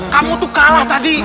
kamu tuh kalah tadi